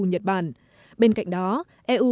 nhật bản bên cạnh đó eu